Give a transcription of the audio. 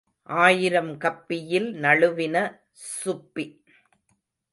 ஆயிரம் கப்பியில் நழுவின சுப்பி.